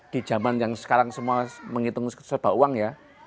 di zaman yang sekarang semua menghitung serba uang ya